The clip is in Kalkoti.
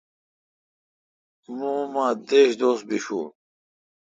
مہ اماں دش دوس بشون۔